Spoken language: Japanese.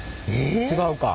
違うか。